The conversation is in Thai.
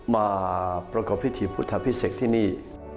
มาประกอบพิธีพุทธพิเศษที่นี่